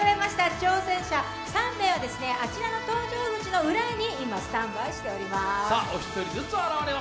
挑戦者３名はあちらの登場口の裏にスタンバイしています。